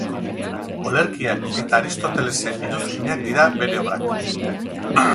Olerkiak eta Aristotelesen iruzkinak dira bere obrak.